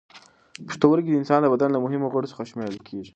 پښتورګي د انساني بدن له مهمو غړو څخه شمېرل کېږي.